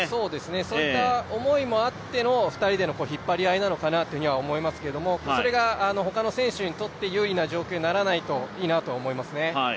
そういった思いもあっての２人の引っ張り合いなのかなと思うんですけどそれが他の選手にとって優位な状況にならないといいなと思いますね。